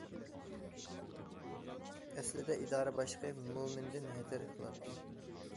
ئەسلىدە ئىدارە باشلىقى مۆمىندىن ھەزەر قىلاتتى.